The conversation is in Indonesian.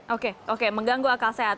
oke oke mengganggu akal sehat